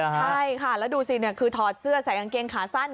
ใช่ค่ะแล้วดูสิคือถอดเสื้อใส่กางเกงขาสั้น